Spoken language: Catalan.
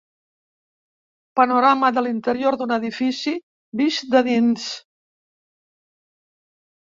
Panorama de l'interior d'un edifici vist de dins.